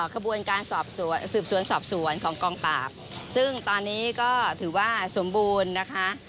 ขบวนการสอบสวนสืบสวนสอบสวนของกองปราบซึ่งตอนนี้ก็ถือว่าสมบูรณ์นะคะ